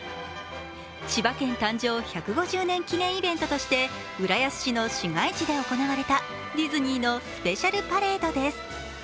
千葉県誕生１５０年記念イベントとして浦安市の市街地で行われたディズニーのスペシャルパレードです。